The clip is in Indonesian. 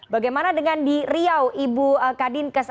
bagaimana dengan di riau ibu kadinkes